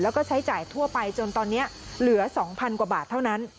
แล้วก็ใช้จ่ายทั่วไปจนตอนนี้เหลือ๒๐๐กว่าบาทเท่านั้น